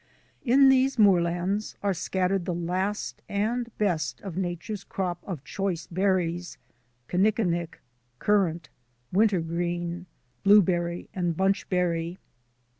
In these moorlands are scattered the last and best of Nature's crop of choice berries — kinnikinick, currant, wintergreen, blueberry, and bunchberry.